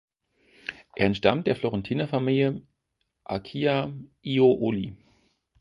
Er entstammt der florentiner Familie Acciaiuoli.